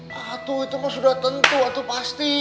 wah itu mah sudah tentu itu pasti